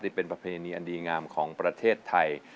เป็นประเพณีอันดีงามของประเทศไทย